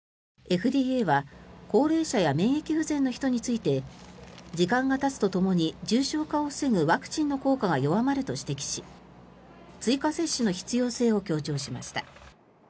ＦＤＡは高齢者や免疫不全の人について時間がたつとともに重症化を防ぐワクチンの効果が弱まると指摘し追加接種の必要性を強調しました。